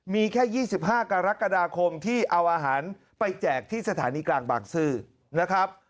มีแค่๒๕กรกฎาคมที่เอาอาหารไปแจกที่สถานีกลางบางซื่อนะครับ